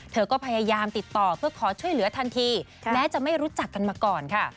เธอก็พยายามติดต่อเพื่อขอช่วยเหลือทันทีแม้จะไม่รู้จักกันมาก่อนค่ะ